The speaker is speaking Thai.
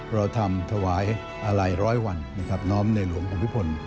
เราทำถวายอาลัยร้อยวันน้อมในหลวงของพิภล